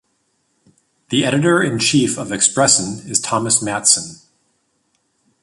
The editor in chief of "Expressen" is Thomas Mattsson.